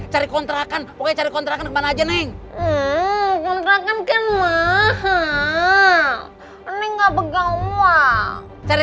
cari kontrakan oke cari kontrakan kemana aja neng kontrakan kan mahal ini enggak pegawai cari